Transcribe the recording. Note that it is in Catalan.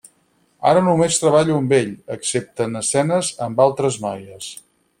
Ara només treballo amb ell, excepte en escenes amb altres noies.